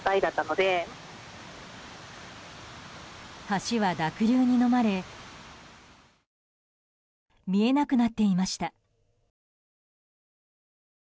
橋は濁流にのまれ見えなくなっていました。